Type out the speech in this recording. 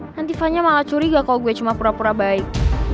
nanti vanya malah curiga kalo gue cuma pura pura baik